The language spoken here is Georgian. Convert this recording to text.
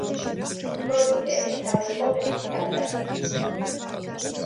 თორნიკე ერისთავი იყო მეფის სარდალი